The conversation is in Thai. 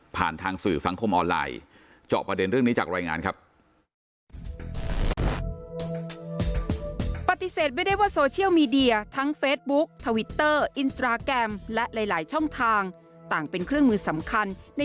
ผ่านทางสื่อสังคมออนไลน์